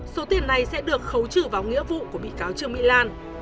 số tiền này sẽ được khấu trừ vào nghĩa vụ của bị cáo trương mỹ lan